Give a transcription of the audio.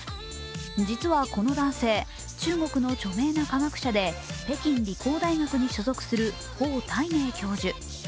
実はこの男性、中国の著名な科学者で北京理工大学に所属する方岱寧教授。